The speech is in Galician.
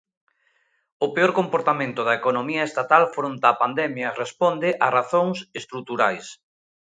O peor comportamento da economía estatal fronte a pandemia responde a razóns estruturais.